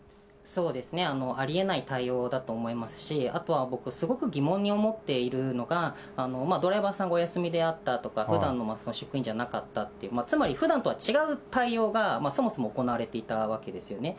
そうですね。ありえない対応だと思いますし、あとは僕、すごく疑問に思っているのが、ドライバーさんがお休みであったとか、ふだんの職員じゃなかったという、つまり普段とは違う対応が、そもそも行われていたわけですよね。